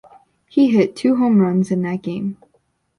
He hit two home runs in that game.